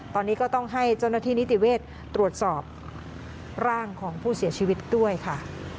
ตอนนี้ก็ต้องให้เจ้าหน้าที่นิติเวศตรวจสอบร่างของผู้เสียชีวิตด้วยค่ะ